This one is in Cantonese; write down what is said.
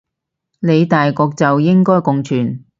理大局就應該共存